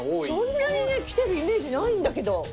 そんなに来てるイメージないんだけど。